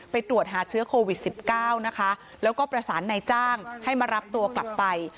ตรวจหาเชื้อโควิด๑๙นะคะแล้วก็ประสานนายจ้างให้มารับตัวกลับไป